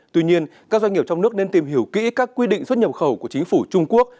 tuy nhiên các doanh nghiệp trong nước nên tìm hiểu kỹ các quy định xuất nhập khẩu của chính phủ trung quốc